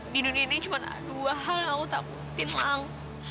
di dunia ini cuma dua hal yang aku takutin bang